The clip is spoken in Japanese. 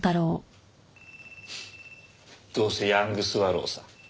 どうせヤング・スワローさ。